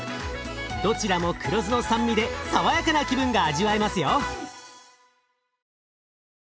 どちらも黒酢の酸味で爽やかな気分が味わえますよ。